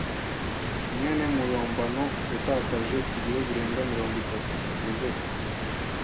mwene muyombano yatakaje ibiro birenga mirongo itatu. (Yozefu)